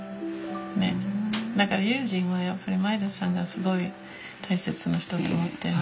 だから悠仁はやっぱり前田さんがすごい大切な人と思ってる。